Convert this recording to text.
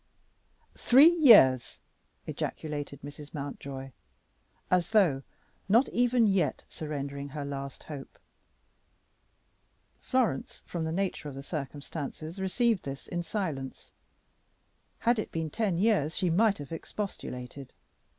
"Three years!" ejaculated Mrs. Mountjoy, as though not even yet surrendering her last hope. Florence, from the nature of the circumstances, received this in silence. Had it been ten years she might have expostulated.